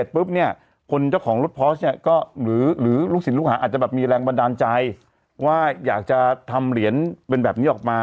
ปุ๊บเนี่ยคนเจ้าของรถพอชเนี่ยก็หรือลูกศิลปลูกหาอาจจะแบบมีแรงบันดาลใจว่าอยากจะทำเหรียญเป็นแบบนี้ออกมา